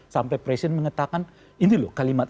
sampai presiden mengatakan ini loh kalimat